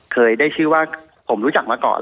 เคยได้ชื่อว่าผมรู้จักมาก่อน